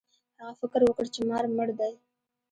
هغه فکر وکړ چې مار مړ دی.